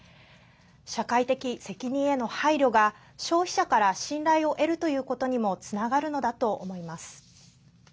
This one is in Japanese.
社会的責任への配慮が消費者から信頼を得るということにもつながるのだと思います。